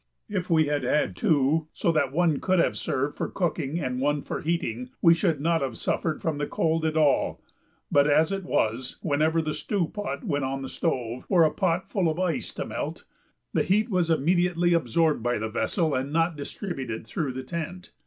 If we had had two, so that one could have served for cooking and one for heating, we should not have suffered from the cold at all, but as it was, whenever the stew pot went on the stove, or a pot full of ice to melt, the heat was immediately absorbed by the vessel and not distributed through the tent.